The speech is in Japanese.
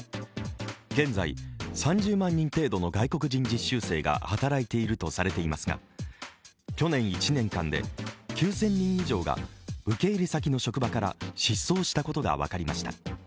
現在、３０万人程度の外国人実習生が働いているとされていますが去年１年間で９０００人以上が受け入れ先の職場から失踪したことが分かりました。